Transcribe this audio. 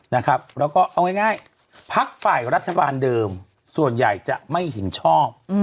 แล้วก็เอาง่ายพักฝ่ายรัฐบาลเดิมส่วนใหญ่จะไม่เห็นชอบ